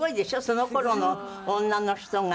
その頃の女の人が。